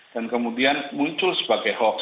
dan kemudian muncul sebagai hoax